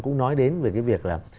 cũng nói đến về cái việc là